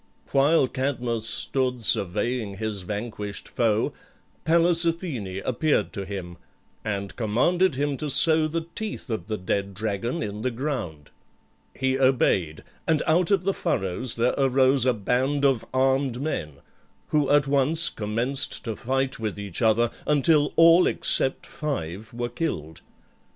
While Cadmus stood surveying his vanquished foe Pallas Athene appeared to him, and commanded him to sow the teeth of the dead dragon in the ground. He obeyed; and out of the furrows there arose a band of armed men, who at once commenced to fight with each other, until all except five were killed.